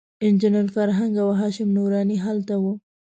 انجینر فرهنګ او هاشم نوراني هلته وو.